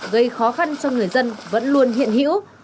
gây khó khăn cho người dân vẫn luôn hiện hữu